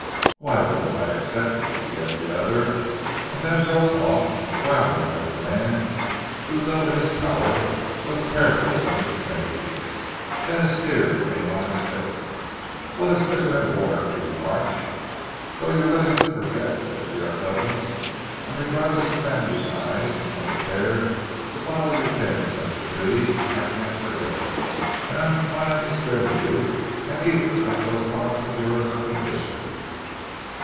"Why don't I accept " began the other, and then broke off, glowering at the man who though in his power was apparently undismayed. Then a sneer came on his face. "Blood is thicker than water," he remarked. "Though you're willing to forget that we are cousins, and regardless of family ties are prepared to follow your d d sense of duty, I can't forget it; and I'm inclined to spare you, and even to cut those bonds of yours on conditions."